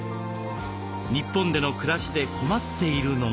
日本での暮らしで困っているのが。